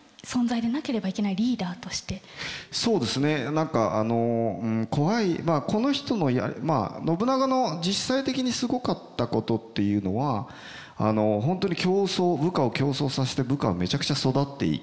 何かあの怖いまあ信長の実際的にすごかったことっていうのは本当に部下を競争させて部下がめちゃくちゃ育っていくんですよね。